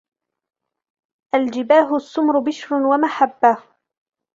الجباه السمر بشر ومحبة